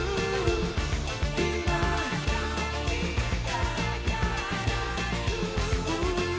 bila kau tinggalkan aku